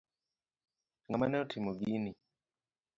Ng'ama ne otimo gini?